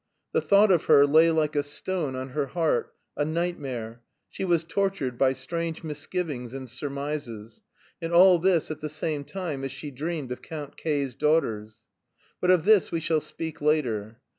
The thought of her lay like a stone on her heart, a nightmare, she was tortured by strange misgivings and surmises, and all this at the same time as she dreamed of Count K.'s daughters. But of this we shall speak later.